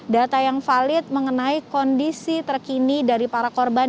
data yang valid mengenai kondisi terkini dari para korban